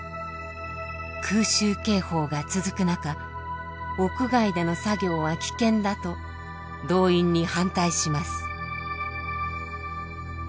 空襲警報が続く中屋外での作業は危険だと動員に反対します。